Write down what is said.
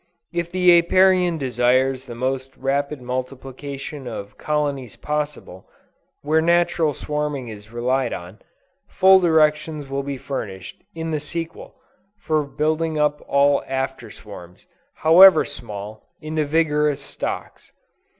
If the Apiarian desires the most rapid multiplication of colonies possible, where natural swarming is relied on, full directions will be furnished, in the sequel, for building up all after swarms, however small, into vigorous stocks.